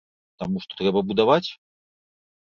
Таму што трэба будаваць?